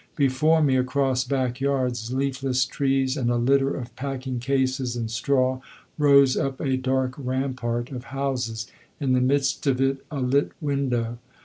Before me, across back yards, leafless trees, and a litter of packing cases and straw, rose up a dark rampart of houses, in the midst of it a lit window.